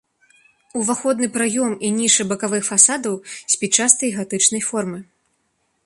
Уваходны праём і нішы бакавых фасадаў спічастай гатычнай формы.